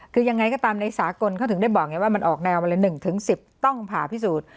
คือยังไงก็ตามในสากลเขาถึงได้บอกไงว่ามันออกแนววันละ๑๑๐ต้องผ่าพิสูจน์